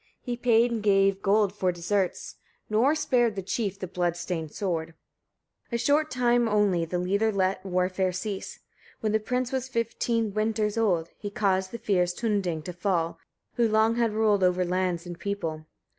He paid and gave gold for deserts; nor spared the chief the blood stained sword. 10. A short time only the leader let warfare cease. When the prince was fifteen winters old, he caused the fierce Hunding to fall, who long had ruled over lands and people.